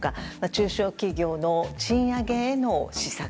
中小企業の賃上げへの施策。